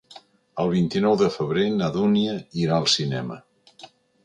El vint-i-nou de febrer na Dúnia irà al cinema.